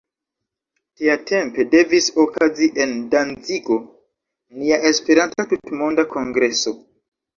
Tiatempe devis okazi en Danzigo nia esperanta tutmonda Kongreso.